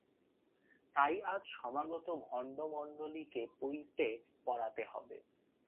তাই আজ সমাগত ভক্তমণ্ডলীকে পৈতে পরাতে হবে।